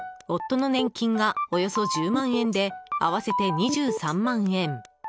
夫の年金が、およそ１０万円で合わせて２３万円。